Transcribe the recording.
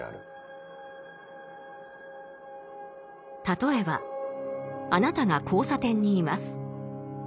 例えばあなたが交差点にいます。